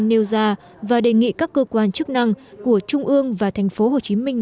trần đại quang nêu ra và đề nghị các cơ quan chức năng của trung ương và thành phố hồ chí minh